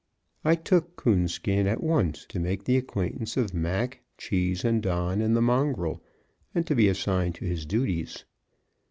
I took Coonskin at once to make the acquaintance of Mac, Cheese, Don, and the mongrel, and to be assigned to his duties.